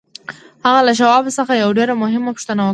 هغه له شواب څخه یوه ډېره مهمه پوښتنه وکړه